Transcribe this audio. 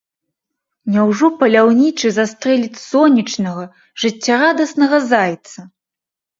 Няўжо паляўнічы застрэліць сонечнага, жыццярадаснага зайца?